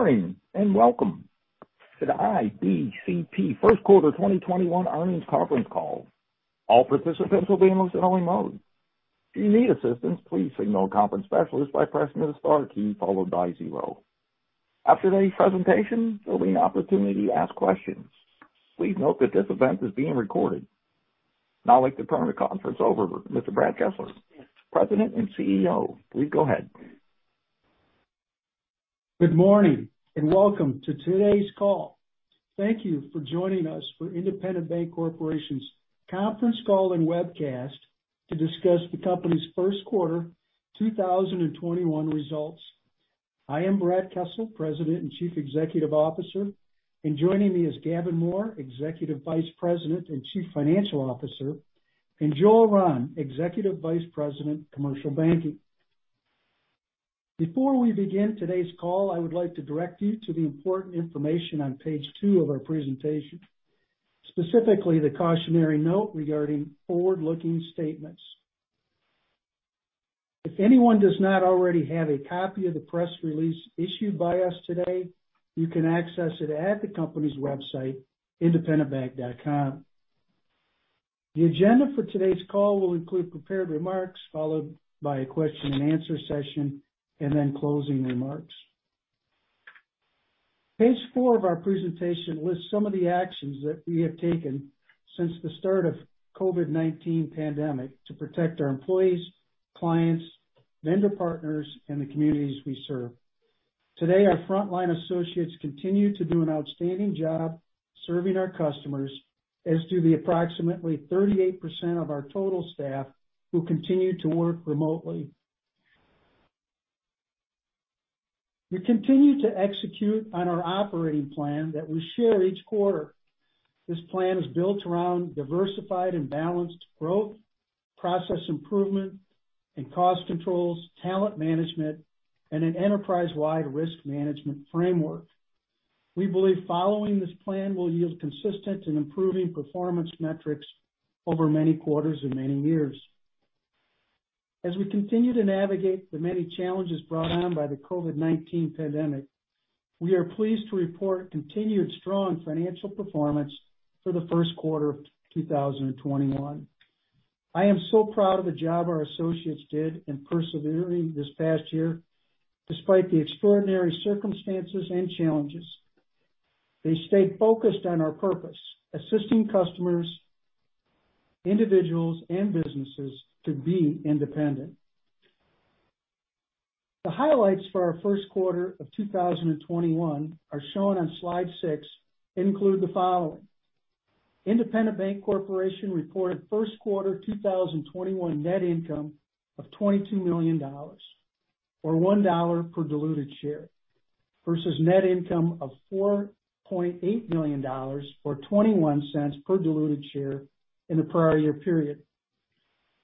Good morning. Welcome to the IBCP first quarter 2021 earnings conference call. After the presentation, there'll be an opportunity to ask questions. Please note that this event is being recorded. Now I'd like to turn the conference over to Mr. Brad Kessel, President and CEO. Please go ahead. Good morning, and welcome to today's call. Thank you for joining us for Independent Bank Corporation's conference call and webcast to discuss the company's first quarter 2021 results. I am Brad Kessel, President and Chief Executive Officer, and joining me is Gavin Mohr, Executive Vice President and Chief Financial Officer, and Joel Rahn, Executive Vice President, Commercial Banking. Before we begin today's call, I would like to direct you to the important information on page two of our presentation, specifically the cautionary note regarding forward-looking statements. If anyone does not already have a copy of the press release issued by us today, you can access it at the company's website, independentbank.com. The agenda for today's call will include prepared remarks, followed by a question-and-answer session, and then closing remarks. Page four of our presentation lists some of the actions that we have taken since the start of COVID-19 pandemic to protect our employees, clients, vendor partners, and the communities we serve. Today, our frontline associates continue to do an outstanding job serving our customers, as do the approximately 38% of our total staff who continue to work remotely. We continue to execute on our operating plan that we share each quarter. This plan is built around diversified and balanced growth, process improvement and cost controls, talent management, and an enterprise-wide risk management framework. We believe following this plan will yield consistent and improving performance metrics over many quarters and many years. As we continue to navigate the many challenges brought on by the COVID-19 pandemic, we are pleased to report continued strong financial performance for the first quarter of 2021. I am so proud of the job our associates did in persevering this past year despite the extraordinary circumstances and challenges. They stayed focused on our purpose: assisting customers, individuals, and businesses to be independent. The highlights for our first quarter of 2021 are shown on slide six, include the following. Independent Bank Corporation reported first quarter 2021 net income of $22 million, or $1 per diluted share, versus net income of $4.8 million, or $0.21 per diluted share in the prior year period.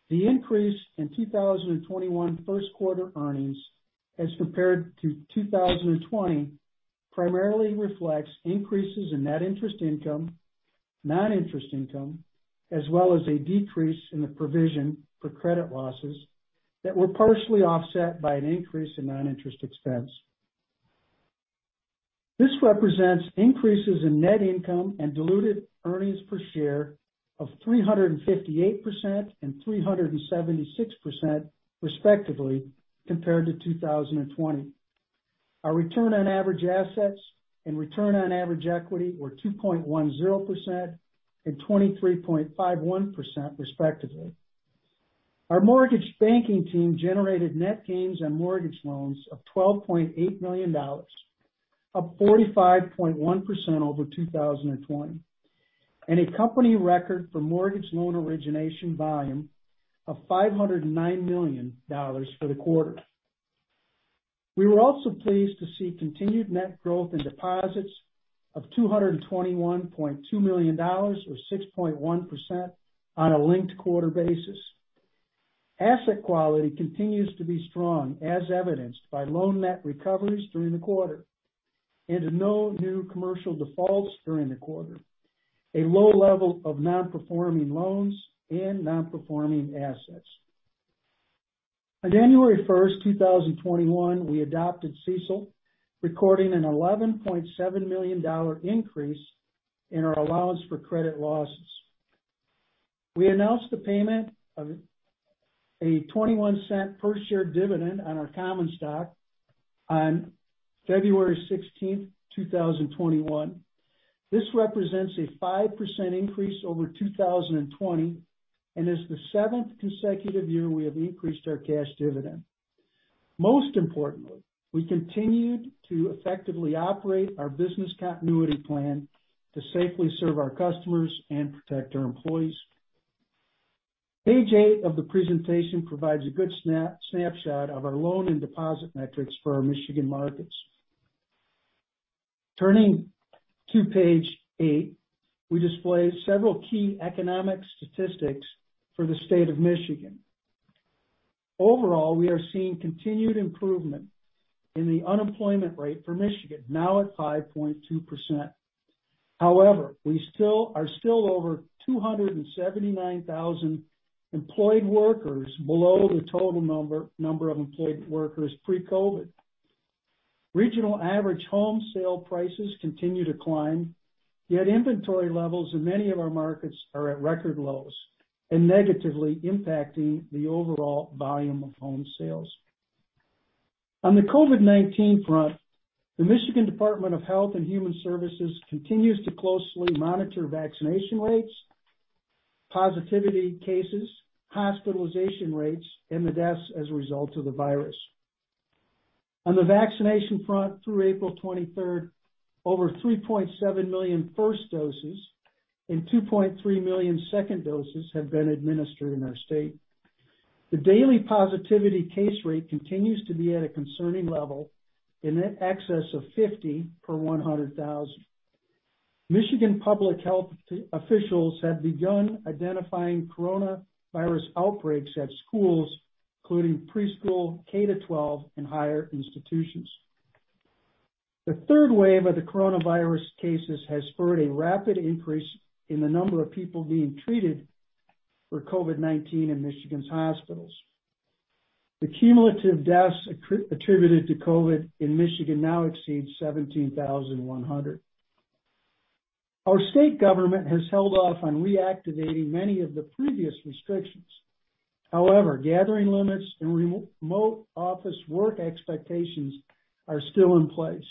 The increase in 2021 first quarter earnings as compared to 2020 primarily reflects increases in net interest income, non-interest income, as well as a decrease in the provision for credit losses that were partially offset by an increase in non-interest expense. This represents increases in net income and diluted earnings per share of 358% and 376%, respectively, compared to 2020. Our return on average assets and return on average equity were 2.10% and 23.51%, respectively. Our mortgage banking team generated net gains on mortgage loans of $12.8 million, up 45.1% over 2020, and a company record for mortgage loan origination volume of $509 million for the quarter. We were also pleased to see continued net growth in deposits of $221.2 million, or 6.1% on a linked-quarter basis. Asset quality continues to be strong as evidenced by loan net recoveries during the quarter and no new commercial defaults during the quarter, a low level of non-performing loans and non-performing assets. On January 1st, 2021, we adopted CECL, recording an $11.7 million increase in our allowance for credit losses. We announced the payment of a $0.21 per share dividend on our common stock on February 16th, 2021. This represents a 5% increase over 2020 and is the seventh consecutive year we have increased our cash dividend. Most importantly, we continued to effectively operate our business continuity plan to safely serve our customers and protect our employees. Page eight of the presentation provides a good snapshot of our loan and deposit metrics for our Michigan markets. Turning to page eight, we display several key economic statistics for the state of Michigan. Overall, we are seeing continued improvement in the unemployment rate for Michigan, now at 5.2%. However, we are still over 279,000 employed workers below the total number of employed workers pre-COVID-19. Regional average home sale prices continue to climb, yet inventory levels in many of our markets are at record lows and negatively impacting the overall volume of home sales. On the COVID-19 front, the Michigan Department of Health and Human Services continues to closely monitor vaccination rates, positivity cases, hospitalization rates, and the deaths as a result of the virus. On the vaccination front, through April 23rd, over 3.7 million first doses and 2.3 million second doses have been administered in our state. The daily positivity case rate continues to be at a concerning level, in excess of 50 per 100,000. Michigan public health officials have begun identifying coronavirus outbreaks at schools, including preschool, K to 12, and higher institutions. The third wave of the coronavirus cases has spurred a rapid increase in the number of people being treated for COVID-19 in Michigan's hospitals. The cumulative deaths attributed to COVID in Michigan now exceed 17,100. Our state government has held off on reactivating many of the previous restrictions. However, gathering limits and remote office work expectations are still in place.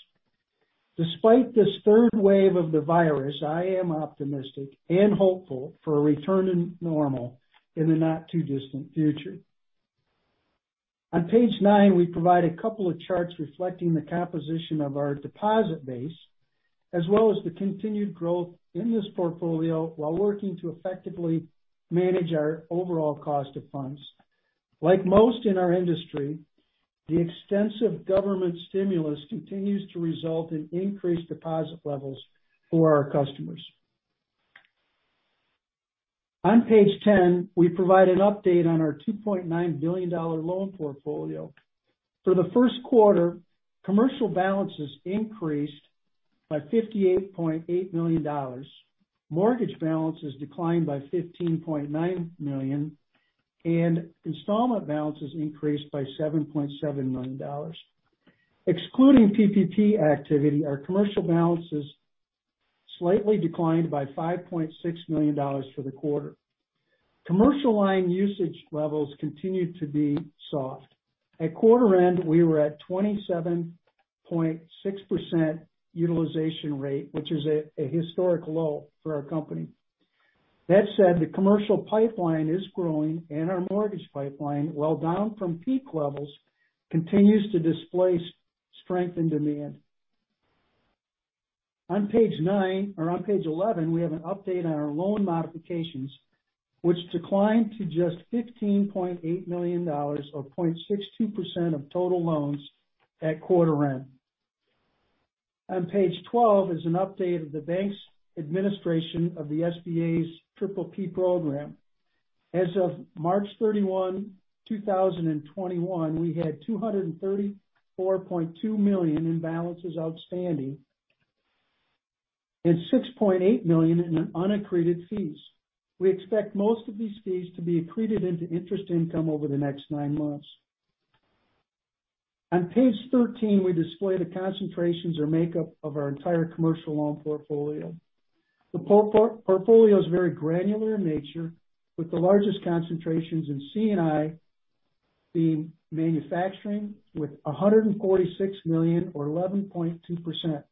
Despite this third wave of the virus, I am optimistic and hopeful for a return to normal in the not too distant future. On page nine, we provide a couple of charts reflecting the composition of our deposit base, as well as the continued growth in this portfolio while working to effectively manage our overall cost of funds. Like most in our industry, the extensive government stimulus continues to result in increased deposit levels for our customers. On page 10, we provide an update on our $2.9 billion loan portfolio. For the first quarter, commercial balances increased by $58.8 million. Mortgage balances declined by $15.9 million, and installment balances increased by $7.7 million. Excluding PPP activity, our commercial balances slightly declined by $5.6 million for the quarter. Commercial line usage levels continued to be soft. At quarter end, we were at 27.6% utilization rate, which is a historic low for our company. That said, the commercial pipeline is growing, and our mortgage pipeline, while down from peak levels, continues to display strength and demand. On page nine or on page 11, we have an update on our loan modifications, which declined to just $15.8 million, or 0.62% of total loans at quarter end. On page 12 is an update of the bank's administration of the SBA's PPP program. As of March 31, 2021, we had $234.2 million in balances outstanding and $6.8 million in unaccreted fees. We expect most of these fees to be accreted into interest income over the next nine months. On page 13, we display the concentrations or makeup of our entire commercial loan portfolio. The portfolio is very granular in nature, with the largest concentrations in C&I being manufacturing with $146 million or 11.2%,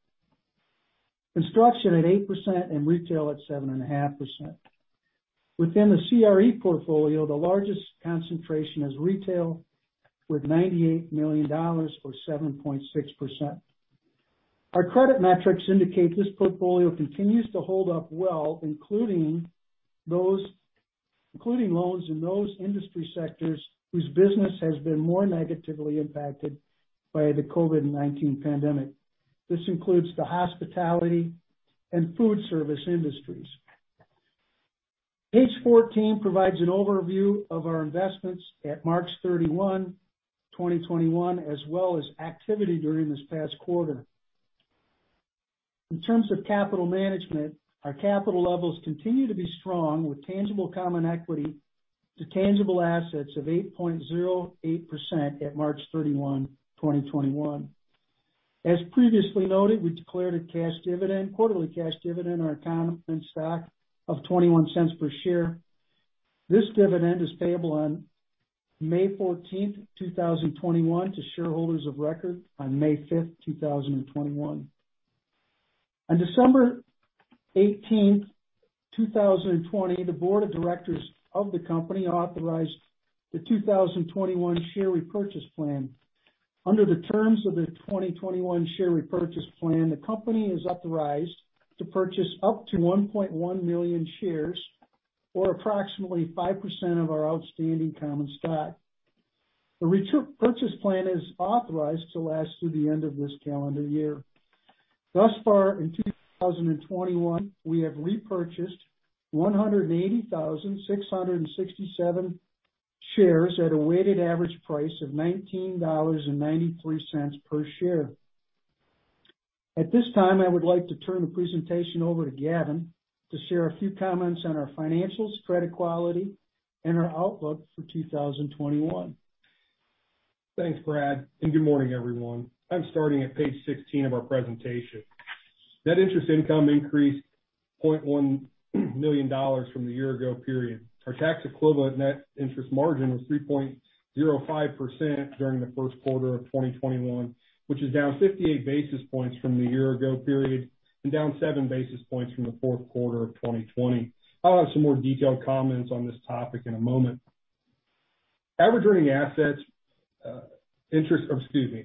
construction at 8%, and retail at 7.5%. Within the CRE portfolio, the largest concentration is retail, with $98 million or 7.6%. Our credit metrics indicate this portfolio continues to hold up well, including loans in those industry sectors whose business has been more negatively impacted by the COVID-19 pandemic. This includes the hospitality and food service industries. Page 14 provides an overview of our investments at March 31, 2021, as well as activity during this past quarter. In terms of capital management, our capital levels continue to be strong, with tangible common equity to tangible assets of 8.08% at March 31, 2021. As previously noted, we declared a cash dividend, quarterly cash dividend on our common stock of $0.21 per share. This dividend is payable on May 14th, 2021, to shareholders of record on May 5th, 2021. On December 18th, 2020, the board of directors of the company authorized the 2021 Share Repurchase Plan. Under the terms of the 2021 Share Repurchase Plan, the company is authorized to purchase up to 1.1 million shares or approximately 5% of our outstanding common stock. The repurchase plan is authorized to last through the end of this calendar year. Thus far in 2021, we have repurchased 180,667 shares at a weighted average price of $19.93 per share. At this time, I would like to turn the presentation over to Gavin to share a few comments on our financials, credit quality, and our outlook for 2021. Thanks, Brad, and good morning, everyone. I'm starting at page 16 of our presentation. Net interest income increased $0.1 million from the year-ago period. Our tax equivalent net interest margin was 3.05% during the first quarter of 2021, which is down 58 basis points from the year-ago period and down seven basis points from the fourth quarter of 2020. I'll have some more detailed comments on this topic in a moment. Average interest-earning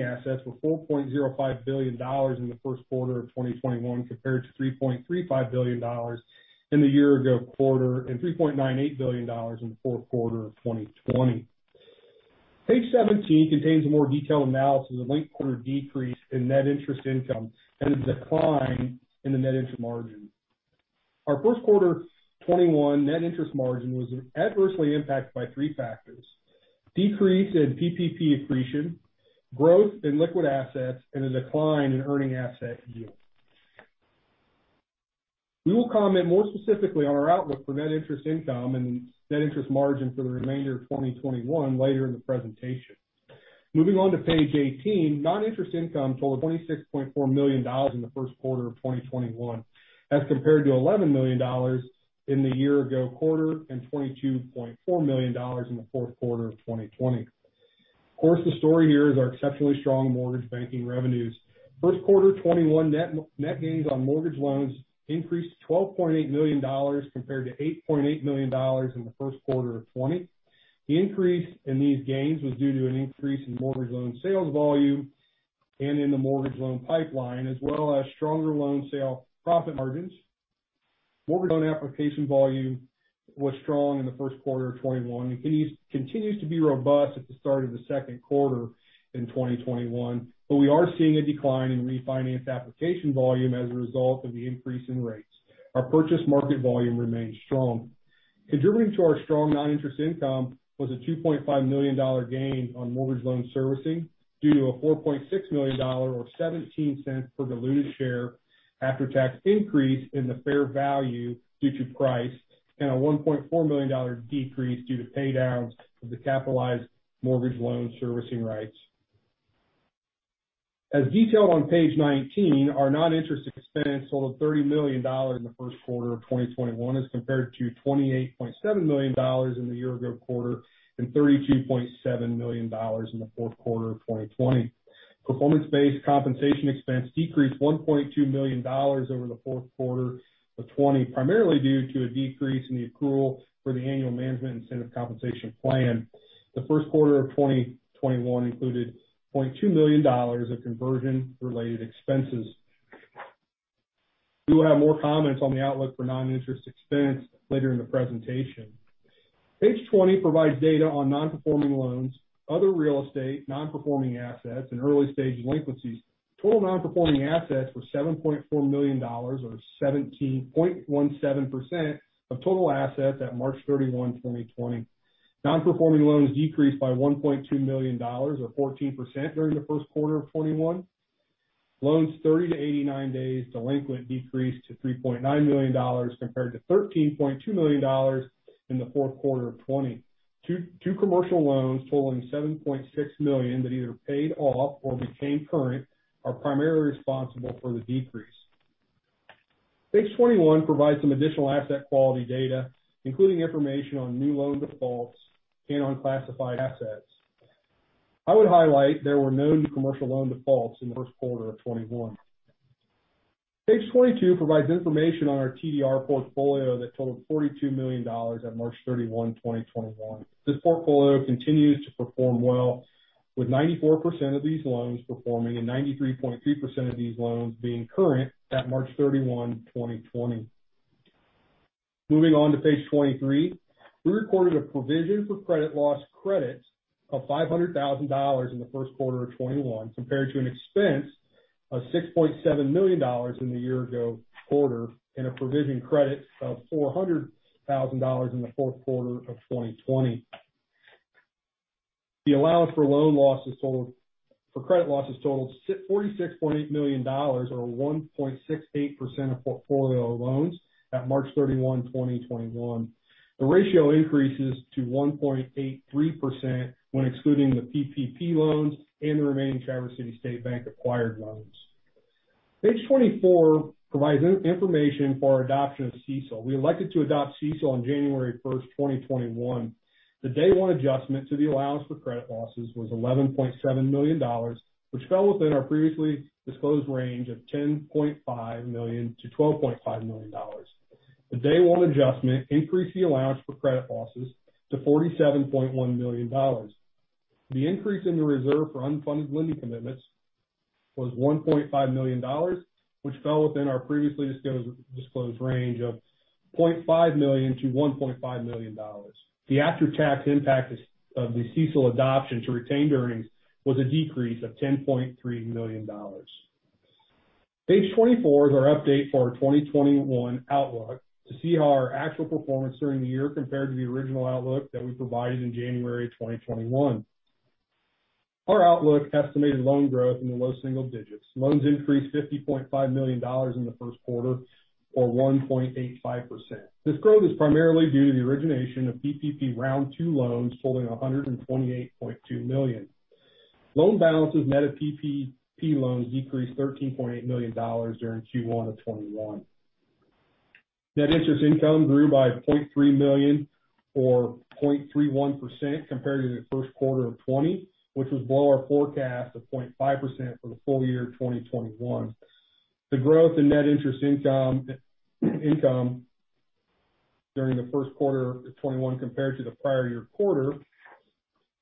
assets were $4.05 billion in the first quarter of 2021, compared to $3.35 billion in the year-ago quarter and $3.98 billion in the fourth quarter of 2020. Page 17 contains a more detailed analysis of linked quarter decrease in net interest income and a decline in the net interest margin. Our first quarter 2021 net interest margin was adversely impacted by three factors, decrease in PPP accretion, growth in liquid assets, and a decline in earning asset yield. We will comment more specifically on our outlook for net interest income and net interest margin for the remainder of 2021 later in the presentation. Moving on to page 18, non-interest income totaled $26.4 million in the first quarter of 2021, as compared to $11 million in the year-ago quarter and $22.4 million in the fourth quarter of 2020. Of course, the story here is our exceptionally strong mortgage banking revenues. First quarter 2021 net gains on mortgage loans increased to $12.8 million compared to $8.8 million in the first quarter of 2020. The increase in these gains was due to an increase in mortgage loan sales volume and in the mortgage loan pipeline, as well as stronger loan sale profit margins. Mortgage loan application volume was strong in the first quarter of 2021 and continues to be robust at the start of the second quarter in 2021, but we are seeing a decline in refinance application volume as a result of the increase in rates. Our purchase market volume remains strong. Contributing to our strong non-interest income was a $2.5 million gain on mortgage loan servicing due to a $4.6 million, or $0.17 per diluted share after-tax increase in the fair value due to price and a $1.4 million decrease due to pay downs of the capitalized mortgage loan servicing rights. As detailed on page 19, our non-interest expense totaled $30 million in the first quarter of 2021 as compared to $28.7 million in the year-ago quarter and $32.7 million in the fourth quarter of 2020. Performance-based compensation expense decreased $1.2 million over the fourth quarter of 2020, primarily due to a decrease in the accrual for the annual management incentive compensation plan. The first quarter of 2021 included $0.2 million of conversion-related expenses. We will have more comments on the outlook for non-interest expense later in the presentation. Page 20 provides data on non-performing loans, other real estate, non-performing assets, and early-stage delinquencies. Total non-performing assets were $7.4 million, or 17.17% of total assets at March 31, 2020. Non-performing loans decreased by $1.2 million, or 14%, during the first quarter of 2021. Loans 30 to 89 days delinquent decreased to $3.9 million compared to $13.2 million in the fourth quarter of 2020. Two commercial loans totaling $7.6 million that either paid off or became current are primarily responsible for the decrease. Page 21 provides some additional asset quality data, including information on new loan defaults and unclassified assets. I would highlight there were no new commercial loan defaults in the first quarter of 2021. Page 22 provides information on our TDR portfolio that totaled $42 million at March 31, 2021. This portfolio continues to perform well with 94% of these loans performing and 93.3% of these loans being current at March 31, 2020. Moving on to page 23. We recorded a provision for credit loss credits of $500,000 in the first quarter of 2021 compared to an expense of $6.7 million in the year-ago quarter and a provision credit of $400,000 in the fourth quarter of 2020. The allowance for credit losses totaled $46.8 million, or 1.68% of portfolio loans at March 31, 2021. The ratio increases to 1.83% when excluding the PPP loans and the remaining Traverse City State Bank-acquired loans. Page 24 provides information for our adoption of CECL. We elected to adopt CECL on January 1st, 2021. The day one adjustment to the allowance for credit losses was $11.7 million, which fell within our previously disclosed range of $10.5 million-$12.5 million. The day one adjustment increased the allowance for credit losses to $47.1 million. The increase in the reserve for unfunded lending commitments was $1.5 million, which fell within our previously disclosed range of $0.5 million-$1.5 million. The after-tax impact of the CECL adoption to retained earnings was a decrease of $10.3 million. Page 24 is our update for our 2021 outlook to see how our actual performance during the year compared to the original outlook that we provided in January 2021. Our outlook estimated loan growth in the low single digits. Loans increased $50.5 million in the first quarter or 1.85%. This growth is primarily due to the origination of PPP Round Two loans totaling $128.2 million. Loan balances net of PPP loans decreased $13.8 million during Q1 of 2021. Net interest income grew by $0.3 million or 0.31% compared to the first quarter of 2020, which was below our forecast of 0.5% for the full year 2021. The growth in net interest income during the first quarter of 2021 compared to the prior year quarter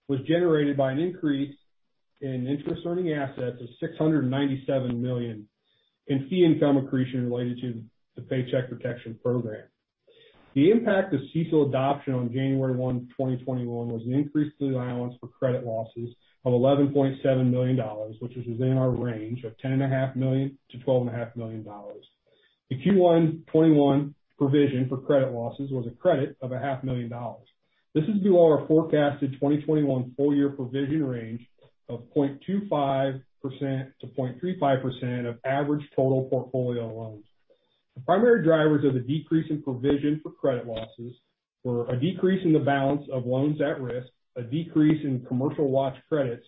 was generated by an increase in interest-earning assets of $697 million in fee income accretion related to the Paycheck Protection Program. The impact of CECL adoption on January 1, 2021, was an increase to the allowance for credit losses of $11.7 million, which was within our range of $10.5 million-$12.5 million. The Q1 2021 provision for credit losses was a credit of a half million dollars. This is due to our forecasted 2021 full-year provision range of 0.25%-0.35% of average total portfolio loans. The primary drivers of the decrease in provision for credit losses were a decrease in the balance of loans at risk, a decrease in commercial watch credits,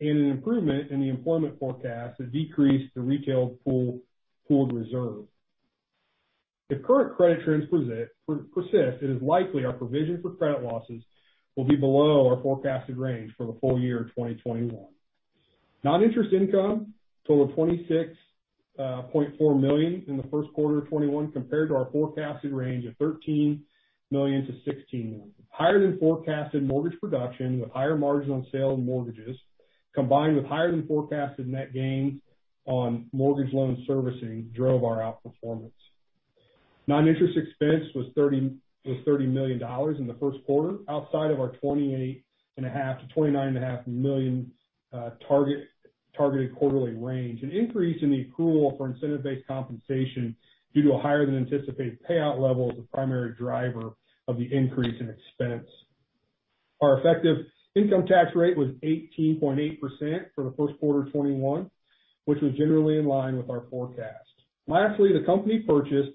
and an improvement in the employment forecast that decreased the retail pooled reserve. If current credit trends persist, it is likely our provision for credit losses will be below our forecasted range for the full year 2021. Non-interest income total of $26.4 million in the first quarter of 2021 compared to our forecasted range of $13 million-$16 million. Higher than forecasted mortgage production with higher margins on sale of mortgages, combined with higher than forecasted net gains on mortgage loan servicing drove our outperformance. Non-interest expense was $30 million in the first quarter outside of our $28.5 million-$29.5 million targeted quarterly range. An increase in the accrual for incentive-based compensation due to a higher than anticipated payout level was the primary driver of the increase in expense. Our effective income tax rate was 18.8% for the first quarter of 2021, which was generally in line with our forecast. Lastly, the company purchased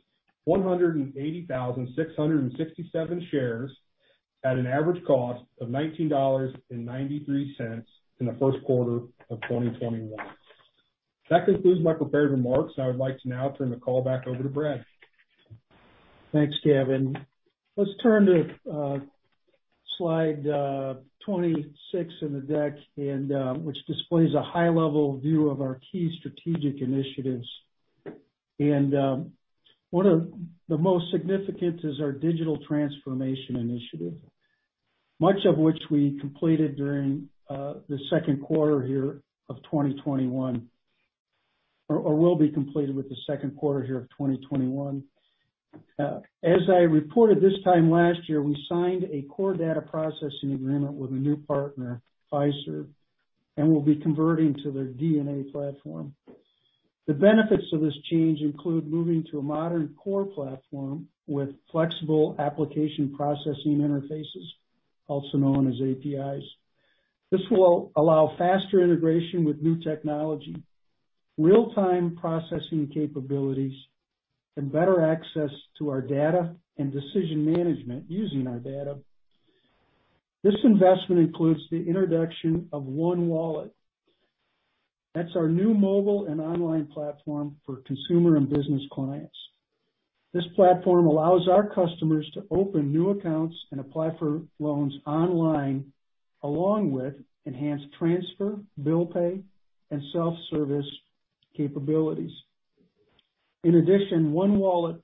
180,667 shares at an average cost of $19.93 in the first quarter of 2021. That concludes my prepared remarks. I would like to now turn the call back over to Brad. Thanks, Gavin. Let's turn to slide 26 in the deck which displays a high-level view of our key strategic initiatives. One of the most significant is our digital transformation initiative, much of which we completed during the second quarter here of 2021 or will be completed with the second quarter here of 2021. As I reported this time last year, we signed a core data processing agreement with a new partner, Fiserv, and we'll be converting to their DNA platform. The benefits of this change include moving to a modern core platform with flexible application processing interfaces, also known as APIs. This will allow faster integration with new technology, real-time processing capabilities, and better access to our data and decision management using our data. This investment includes the introduction of ONE Wallet. That's our new mobile and online platform for consumer and business clients. This platform allows our customers to open new accounts and apply for loans online, along with enhanced transfer, bill pay, and self-service capabilities. In addition, ONE Wallet+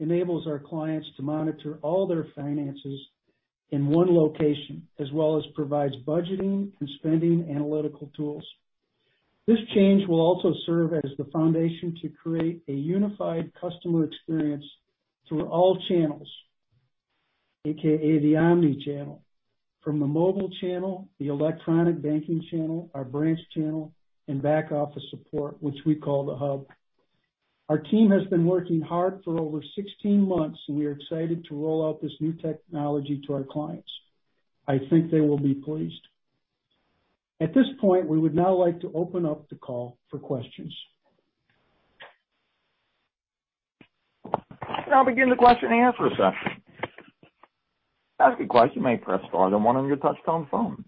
enables our clients to monitor all their finances in one location, as well as provides budgeting and spending analytical tools. This change will also serve as the foundation to create a unified customer experience through all channels, AKA the omnichannel. From the mobile channel, the electronic banking channel, our branch channel, and back office support, which we call The Hub. Our team has been working hard for over 16 months. We are excited to roll out this new technology to our clients. I think they will be pleased. At this point, we would now like to open up the call for questions. We now begin the question and answer session. To ask a question, press star then one on your touchtone phone.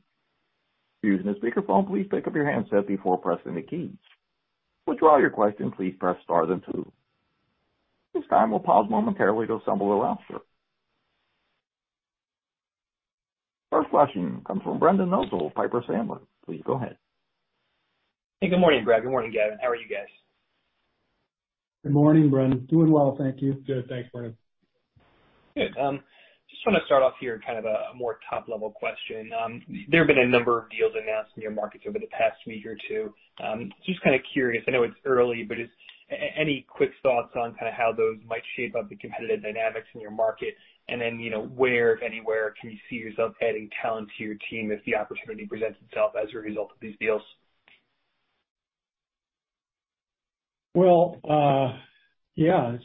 If you're using a speakerphone, please pick up your handset before pressing the keys. To withdraw your question, please press star then two. This time we'll pause momentarily to assemble the roster. First question comes from Brendan Nosal of Piper Sandler. Please go ahead. Hey, good morning, Brad. Good morning, Gavin. How are you guys? Good morning, Brendan. Doing well, thank you. Good. Thanks, Brendan. Good. Just want to start off here, kind of a more top-level question. There have been a number of deals announced in your markets over the past week or two. Just kind of curious, I know it's early, but any quick thoughts on how those might shape up the competitive dynamics in your market? Where, if anywhere, can you see yourself adding talent to your team if the opportunity presents itself as a result of these deals? Well, yeah.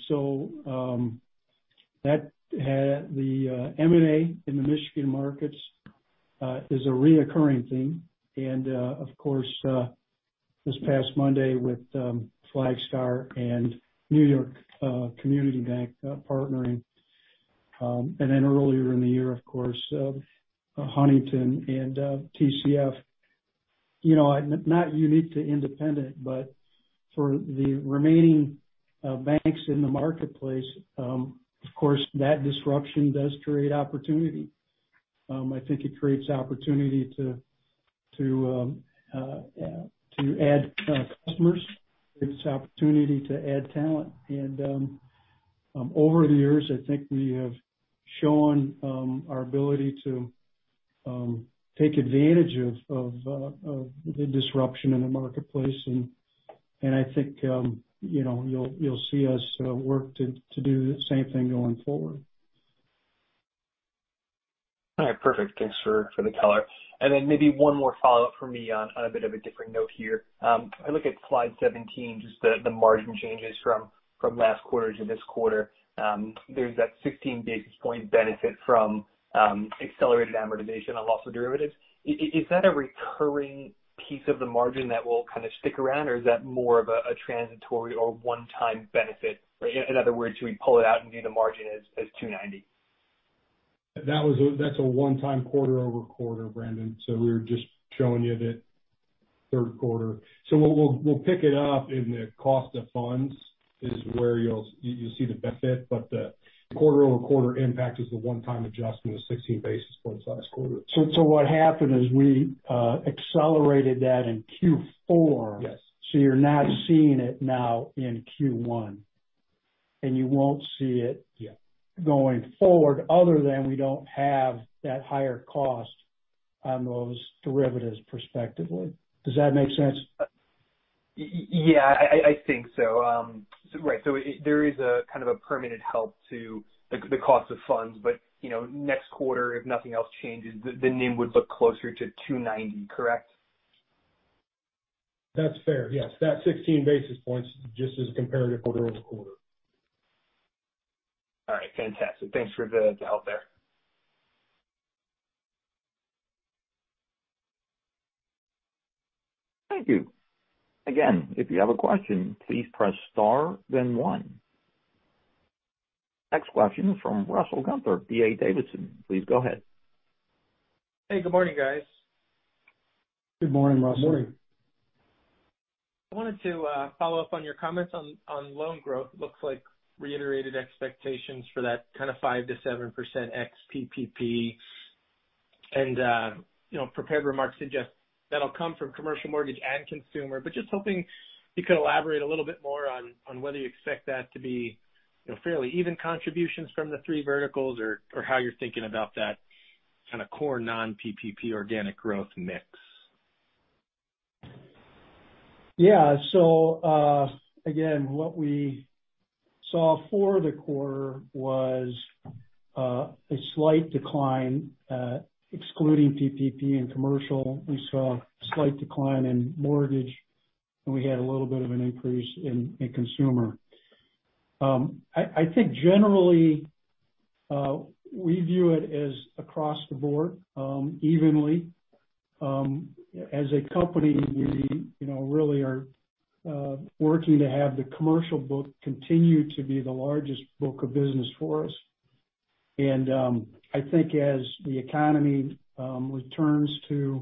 The M&A in the Michigan markets is a reoccurring theme. Of course, this past Monday with Flagstar and New York Community Bank partnering, and then earlier in the year, of course, Huntington and TCF. Not unique to Independent, but for the remaining banks in the marketplace, of course, that disruption does create opportunity. I think it creates opportunity to add customers. It creates opportunity to add talent. Over the years, I think we have shown our ability to take advantage of the disruption in the marketplace. I think you'll see us work to do the same thing going forward. All right. Perfect. Thanks for the color. Maybe one more follow-up from me on a bit of a different note here. I look at slide 17, just the margin changes from last quarter to this quarter. There's that 16 basis point benefit from accelerated amortization on loss of derivatives. Is that a recurring piece of the margin that will kind of stick around or is that more of a transitory or one-time benefit? In other words, should we pull it out and view the margin as 290? That's a one-time quarter-over-quarter, Brendan. We're just showing you that third quarter. We'll pick it up in the cost of funds is where you'll see the benefit, but the quarter-over-quarter impact is the one-time adjustment of 16 basis points last quarter. What happened is we accelerated that in Q4. You're not seeing it now in Q1. And you won't see it going forward, other than we don't have that higher cost on those derivatives prospectively. Does that make sense? Yeah, I think so. Right. There is a kind of a permanent help to the cost of funds, but next quarter, if nothing else changes, the NIM would look closer to 290, correct? That's fair. Yes. That 16 basis points just as comparative quarter-over-quarter. All right. Fantastic. Thanks for the help there. Thank you. Next question from Russell Gunther, D.A. Davidson. Please go ahead. Hey, good morning, guys. Good morning, Russell. Good morning. I wanted to follow up on your comments on loan growth. Looks like reiterated expectations for that kind of 5%-7% ex-PPP, and prepared remarks suggest that'll come from commercial mortgage and consumer. Just hoping you could elaborate a little bit more on whether you expect that to be fairly even contributions from the three verticals or how you're thinking about that kind of core non-PPP organic growth mix. Again, what we saw for the quarter was a slight decline excluding PPP in commercial. We saw a slight decline in mortgage, and we had a little bit of an increase in consumer. I think generally, we view it as across the board evenly. As a company, we really are working to have the commercial book continue to be the largest book of business for us. I think as the economy returns to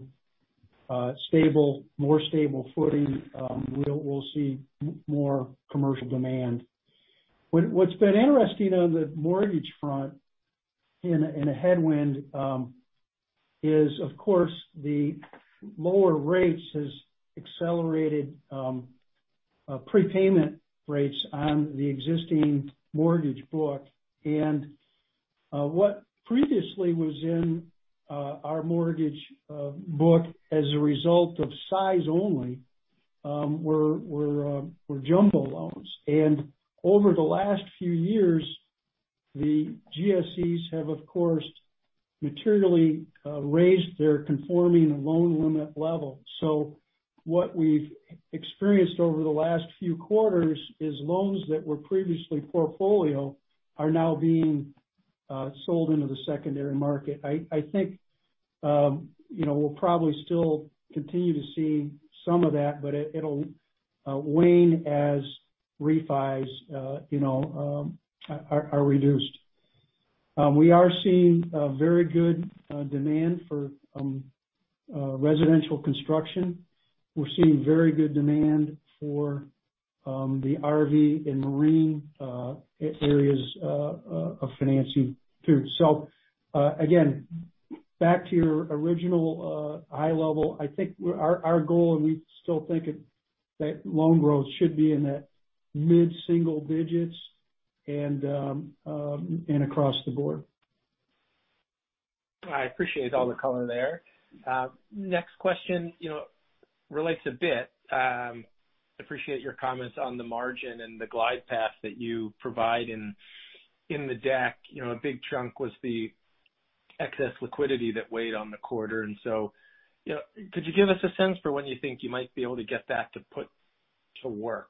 more stable footing, we'll see more commercial demand. What's been interesting on the mortgage front in a headwind is, of course, the lower rates has accelerated prepayment rates on the existing mortgage book. What previously was in our mortgage book as a result of size only were jumbo loans. Over the last few years, the GSEs have, of course, materially raised their conforming loan limit level. What we've experienced over the last few quarters is loans that were previously portfolio are now being sold into the secondary market. I think we'll probably still continue to see some of that, but it'll wane as refis are reduced. We are seeing a very good demand for residential construction. We're seeing very good demand for the RV and marine areas of financing too. Again, back to your original high level, I think our goal, and we still think that loan growth should be in that mid-single digits and across the board. I appreciate all the color there. Next question relates a bit. Appreciate your comments on the margin and the glide path that you provide in the deck. A big chunk was the excess liquidity that weighed on the quarter. Could you give us a sense for when you think you might be able to get that to put to work?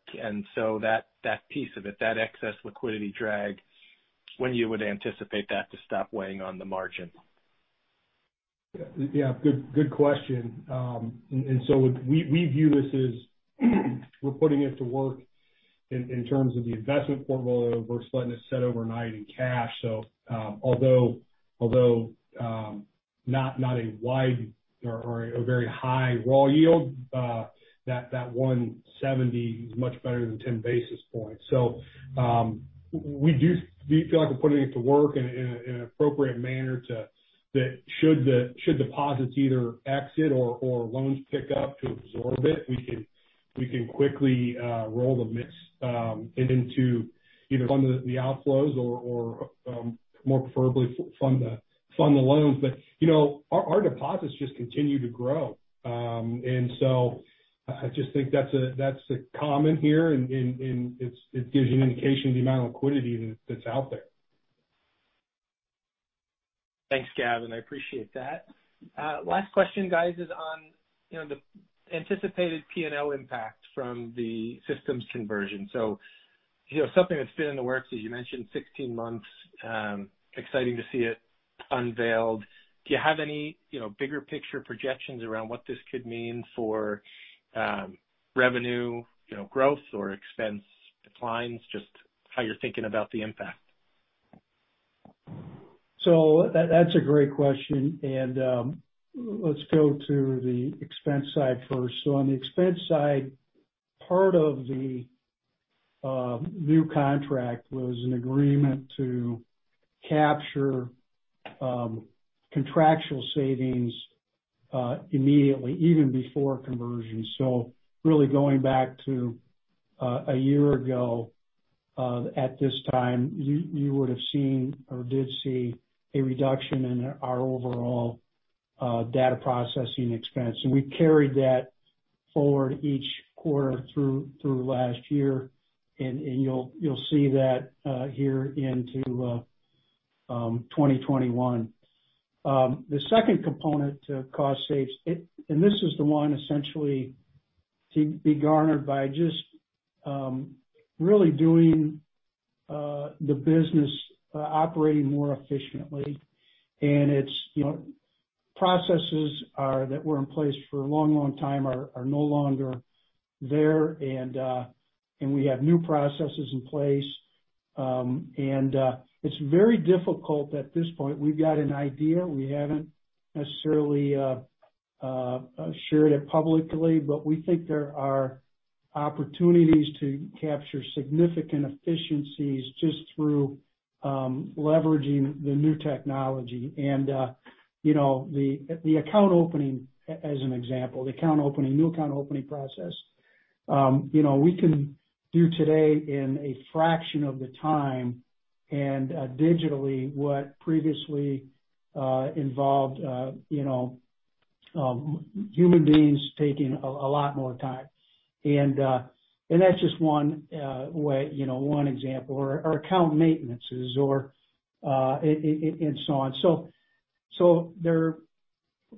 That piece of it, that excess liquidity drag, when you would anticipate that to stop weighing on the margin? Yeah. Good question. We view this as we're putting it to work in terms of the investment portfolio versus letting it set overnight in cash. Although not a wide or a very high raw yield, that 170 is much better than 10 basis points. We do feel like we're putting it to work in an appropriate manner to, that should deposits either exit or loans pick up to absorb it, we can quickly roll the mix into either fund the outflows or more preferably fund the loans. Our deposits just continue to grow. I just think that's a common here, and it gives you an indication of the amount of liquidity that's out there. Thanks, Gav, and I appreciate that. Last question, guys, is on the anticipated P&L impact from the systems conversion. Something that's been in the works, as you mentioned, 16 months. Exciting to see it unveiled. Do you have any bigger picture projections around what this could mean for revenue growth or expense declines? Just how you're thinking about the impact. That's a great question. Let's go to the expense side first. On the expense side, part of the new contract was an agreement to capture contractual savings immediately, even before conversion. Really going back to a year ago at this time, you would've seen or did see a reduction in our overall data processing expense. We carried that forward each quarter through last year, and you'll see that here into 2021. The second component to cost saves, this is the one essentially to be garnered by just really doing the business operating more efficiently. It's processes that were in place for a long time are no longer there, and we have new processes in place. It's very difficult at this point. We've got an idea. We haven't necessarily shared it publicly, but we think there are opportunities to capture significant efficiencies just through leveraging the new technology and the account opening, as an example. The new account opening process. We can do today in a fraction of the time and digitally what previously involved human beings taking a lot more time. That's just one way, one example, or account maintenances and so on. There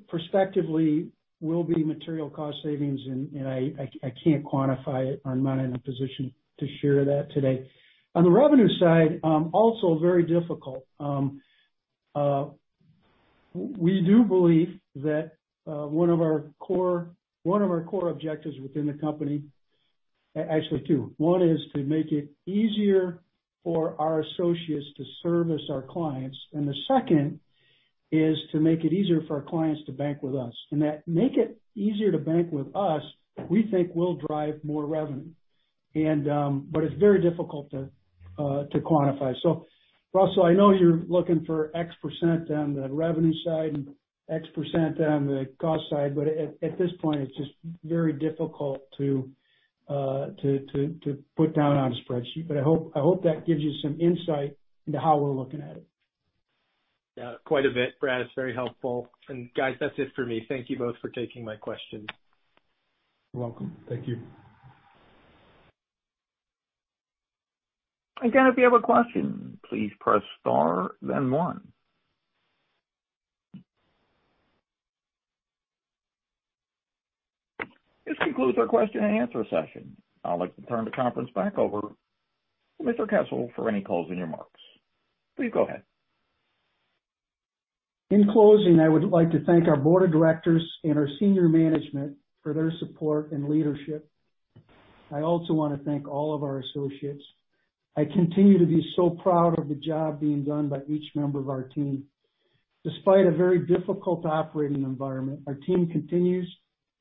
prospectively will be material cost savings, and I can't quantify it. I'm not in a position to share that today. On the revenue side, also very difficult. We do believe that one of our core objectives within the company. Actually, two. One is to make it easier for our associates to service our clients, and the second is to make it easier for our clients to bank with us. That make it easier to bank with us, we think will drive more revenue. It's very difficult to quantify. Russell, I know you're looking for X% on the revenue side and X% on the cost side, at this point, it's just very difficult to put down on a spreadsheet. I hope that gives you some insight into how we're looking at it. Yeah, quite a bit, Brad. It's very helpful. Guys, that's it for me. Thank you both for taking my questions. You're welcome. Thank you. If you have a question, please press star then one. This concludes our question and answer session. I'd like to turn the conference back over to Mr. Kessel for any closing remarks. Please go ahead. In closing, I would like to thank our board of directors and our senior management for their support and leadership. I also want to thank all of our associates. I continue to be so proud of the job being done by each member of our team. Despite a very difficult operating environment, our team continues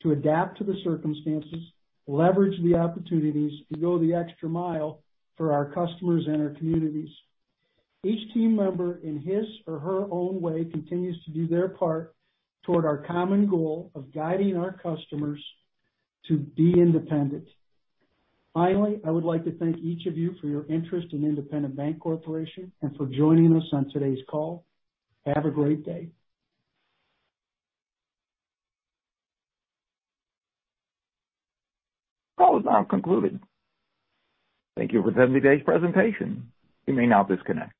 to adapt to the circumstances, leverage the opportunities, and go the extra mile for our customers and our communities. Each team member in his or her own way continues to do their part toward our common goal of guiding our customers to be independent. Finally, I would like to thank each of you for your interest in Independent Bank Corporation and for joining us on today's call. Have a great day. Call is now concluded. Thank you for attending today's presentation. You may now disconnect.